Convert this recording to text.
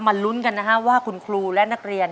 ลุ้นกันนะฮะว่าคุณครูและนักเรียน